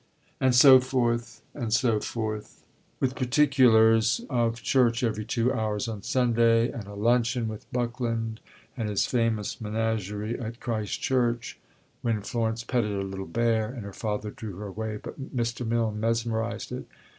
and so forth, and so forth; with particulars of "church every two hours" on Sunday, and of a luncheon with Buckland and his famous menagerie at Christ Church, when Florence petted a little bear, and her father drew her away, but Mr. Milnes mesmerised it.